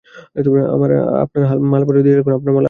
আপনার মালপত্র হালকা রাখুন, কারণ আপনার মাল আপনাকেই বহন করতে হবে।